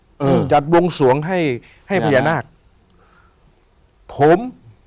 อืมจัดวงสวงให้ให้พญานาคผม